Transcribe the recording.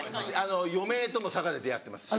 嫁とも佐賀で出会ってますし。